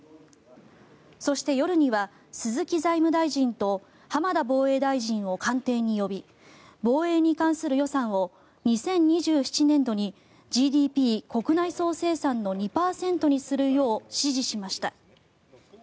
そして夜には、鈴木財務大臣と浜田防衛大臣を官邸に呼び防衛に関する予算を２０２７年度にＧＤＰ・国内総生産の２％にするよう指示しました。